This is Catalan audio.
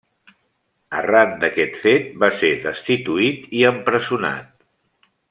Arran d'aquest fet va ser destituït i empresonat.